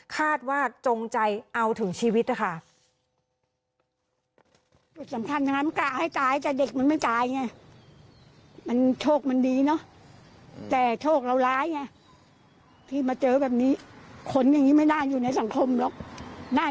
คาดว่าจงใจเอาถึงชีวิตค่ะ